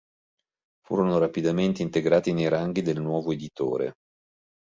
Furono rapidamente integrati nei ranghi del nuovo editore.